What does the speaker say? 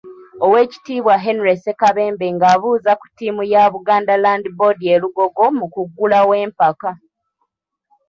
Oweekitiibwa Henry Ssekabembe ng'abuuza ku ttiimu ya Buganda Land Board e Lugogo mu kuggulawo empaka.